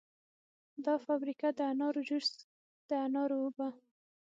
دا فابریکه د انارو جوس، د انارو اوبه